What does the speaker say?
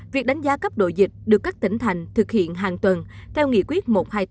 việc đánh giá cấp độ dịch được các tỉnh thành thực hiện hàng tuần theo nghị quyết một trăm hai mươi tám